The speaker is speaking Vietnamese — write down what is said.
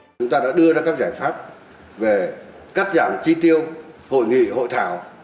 chúng ta đã đưa ra các giải pháp về cắt giảm chi tiêu hội nghị hội thảo